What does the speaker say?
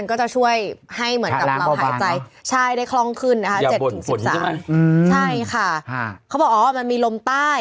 เขาบอกอ๋อมันมีลมใต้